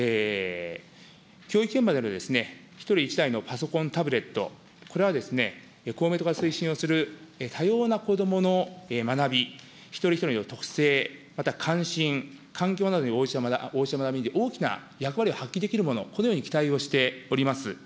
教育現場での１人１台のパソコン、タブレット、これは公明党が推進をする多様な子どもの学び、一人一人の特性、また関心、環境などに応じた学び、大きな役割を発揮できるもの、このように期待をしております。